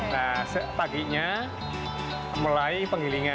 nah sepaginya mulai penghilingnya